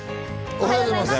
おはようございます。